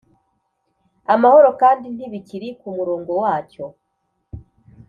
amahoro! kandi ntibikiri kumurongo wacyo